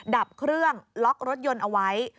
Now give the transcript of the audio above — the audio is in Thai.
ดับเครื่องล็อกรถยนต์เอาไว้